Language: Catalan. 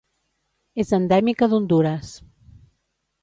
És endèmica d'Hondures.